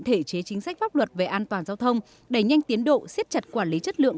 thể chế chính sách pháp luật về an toàn giao thông đẩy nhanh tiến độ siết chặt quản lý chất lượng